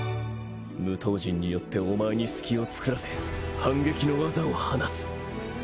無刀陣によってお前に隙を作らせ反撃の技を放つ。